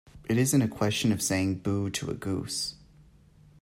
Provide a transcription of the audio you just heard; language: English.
It isn't a question of saying 'boo' to a goose.